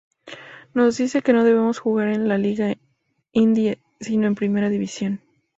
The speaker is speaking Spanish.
Nos dicen que no debemos jugar en la liga indie, sino en primera división.